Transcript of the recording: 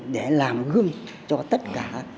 để làm gương cho tất cả